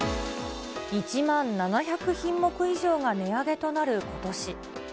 １万７００品目以上が値上げとなることし。